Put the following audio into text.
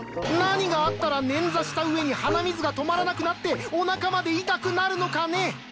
何があったら捻挫した上に鼻水が止まらなくなっておなかまで痛くなるのかね！